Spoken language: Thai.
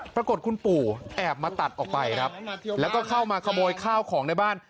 ปรากฏคุณปู่แอบมาตัดออกไปครับแล้วก็เข้ามาขโมยข้าวของในบ้าน